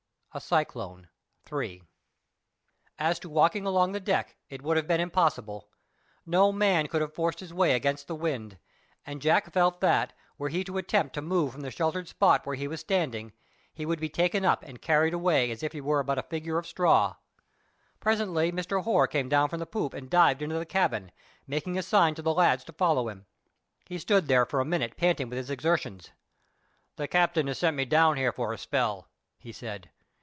A CYCLONE.—III. As to walking along the deck, it would have been impossible. No man could have forced his way against the wind, and Jack felt that, were he to attempt to move from the sheltered spot where he was standing, he would be taken up and carried away as if he were but a figure of straw. Presently Mr. Hoare came down from the poop and dived into the cabin, making a sign to the lads to follow him. He stood there for a minute panting with his exertions. "The captain has sent me down for a spell," he said.